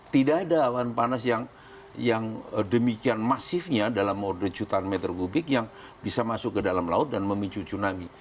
tidak ada awan panas yang demikian masifnya dalam order jutaan meter kubik yang bisa masuk ke dalam laut dan memicu tsunami